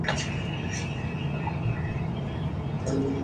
El nivel de esperanto de los nativos es muy variable.